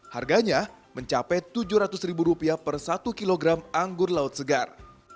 harganya mencapai tujuh ratus ribu rupiah per satu kg anggur laut segar